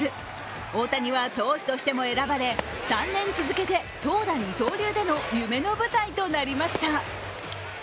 大谷は投手としても選ばれ３年続けて投打二刀流での夢の舞台となりました。